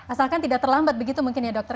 asalkan tidak terlambat begitu mungkin ya dokter